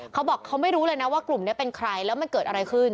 เขาบอกเขาไม่รู้เลยนะว่ากลุ่มนี้เป็นใครแล้วมันเกิดอะไรขึ้น